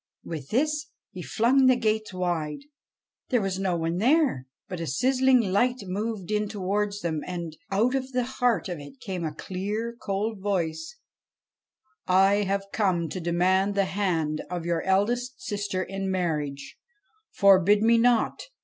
' With this he flung the gates wide. There was no one there, but a sizzling light moved in towards them, and, out of the heart of it came a clear, cold voice :' I have come to demand the hand of your eldest sister in 95 BASHTCHELIK marriage. Forbid me not.